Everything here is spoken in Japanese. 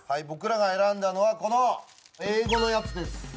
僕らが選んだのはこの英語のやつです